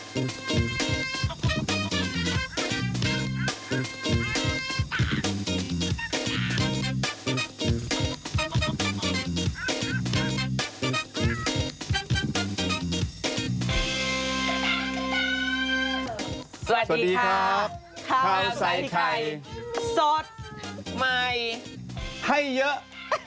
สวัสดีครับข้าวใส่ไข่สดใหม่ให้เยอะ